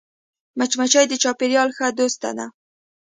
مچمچۍ د چاپېریال ښه دوست ده